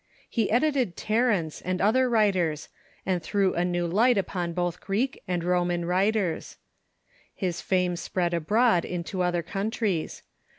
He edited Terence and other authors, and threw a new light upon both Greek and Roman writers. His fame spread abroad into other countries.